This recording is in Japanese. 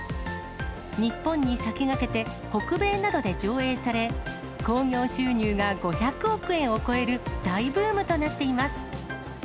日本に先駆けて、北米などで上映され、興行収入が５００億円を超える大ブームとなっています。